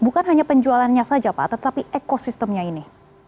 bukan hanya penjualannya saja pak tetapi ekosistemnya ini